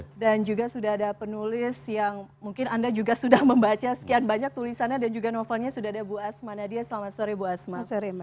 oke dan juga sudah ada penulis yang mungkin anda juga sudah membaca sekian banyak tulisannya dan juga novelnya sudah ada bu asma nadia selamat sore bu asma